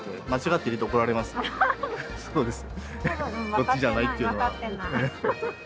「そっちじゃない」っていうのは。